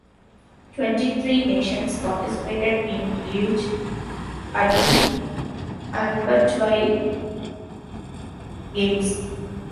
Twenty-three nations participated in Luge at the Albertville Games.